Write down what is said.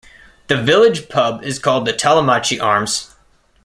The village pub is called the Tollemache Arms.